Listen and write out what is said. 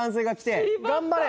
頑張れ！